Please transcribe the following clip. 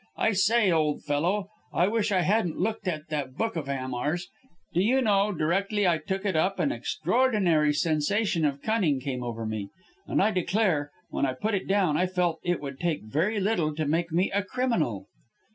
I say, old fellow, I wish I hadn't looked at that book of Hamar's. Do you know, directly I took it up, an extraordinary sensation of cunning came over me; and I declare, when I put it down, I felt it would take very little to make me a criminal!"